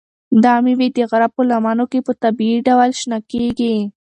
دا مېوې د غره په لمنو کې په طبیعي ډول شنه کیږي.